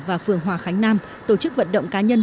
và phường hòa khánh nam tổ chức vận động cá nhân